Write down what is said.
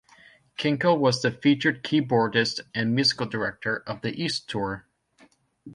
Kinkel was the featured keyboardist and musical director of the East tour.